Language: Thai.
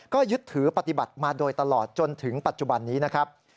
ก็ยึดถือปฏิบัติมาโดยตลอดจนถึงปัจจุบันนี้นะครับ